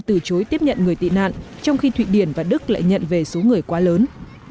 từ chối tiếp nhận người tị nạn trong khi thụy điển và đức lại nhận về số người quá lớn